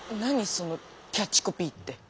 そのキャッチコピーって。